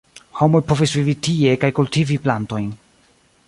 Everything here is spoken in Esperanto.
Homoj povis vivi tie kaj kultivi plantojn.